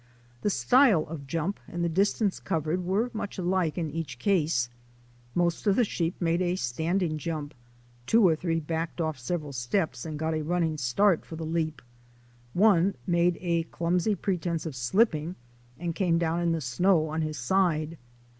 The style of jump and the distance covered were much alike in each case. Most of the sheep made a standing jump; two or three backed off several steps and got a running start for the leap. One made a clumsy pretence of slipping and came down in the snow on his side.